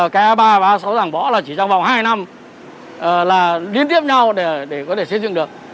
cái a ba và a sáu giảng bỏ là chỉ trong vòng hai năm là liên tiếp nhau để có thể xây dựng được